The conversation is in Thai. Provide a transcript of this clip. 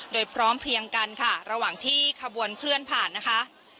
โดยพร้อมเพลียงกันค่ะระหว่างที่ขบวนเคลื่อนผ่านนะคะ